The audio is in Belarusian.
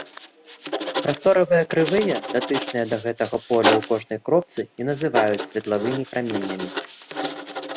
Прасторавыя крывыя, датычныя да гэтага полі ў кожнай кропцы, і называюць светлавымі праменямі.